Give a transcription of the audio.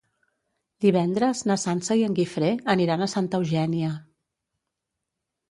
Divendres na Sança i en Guifré aniran a Santa Eugènia.